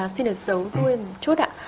xin được giấu vui một chút ạ